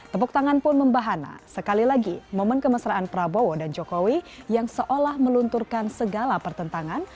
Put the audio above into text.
tepuk tangan pun membahana sekali lagi momen kemesraan prabowo dan jokowi yang seolah melunturkan segala pertentangan